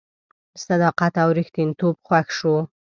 صداقت او ریښتینتوب خوښ شو.